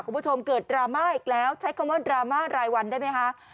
คุณผู้ชมเกิดดราม่าอีกแล้วใช้คำว่าดราม่ารายวันได้ไหมคะ